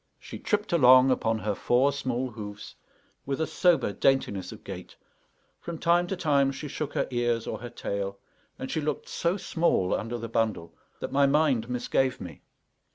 She tripped along upon her four small hoofs with a sober daintiness of gait; from time to time she shook her ears or her tail; and she looked so small under the bundle that my mind misgave me.